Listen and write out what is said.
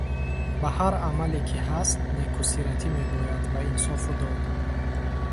Бар ҳар амале, ки ҳаст, некусиратӣ мебояд ва инсофу дод.